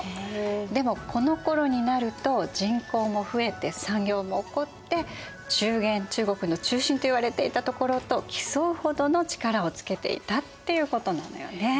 でもこのころになると人口も増えて産業も興って中原中国の中心といわれていたところと競うほどの力をつけていたっていうことなのよね。